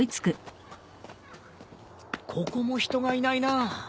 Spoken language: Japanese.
ここも人がいないなあ。